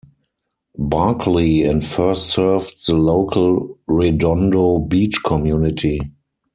Barkley and first served the local Redondo Beach community.